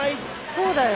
そうだよ。